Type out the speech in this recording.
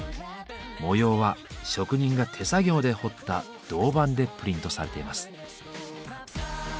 模様は職人が手作業で彫った銅版でプリントされています。